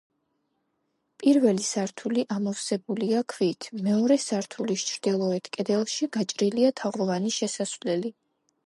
პირველი სართული ამოვსებულია ქვით, მეორე სართულის ჩრდილოეთ კედელში გაჭრილია თაღოვანი შესასვლელი.